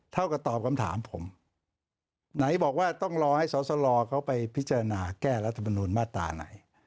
เท่ากับตอบคำถามผมไหนบอกว่าต้องรอให้สอสลเขาไปพิจารณาแก้รัฐมนุนมาตราไหน